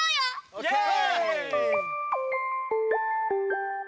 オーケー！